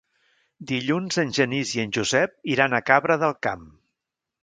Dilluns en Genís i en Josep iran a Cabra del Camp.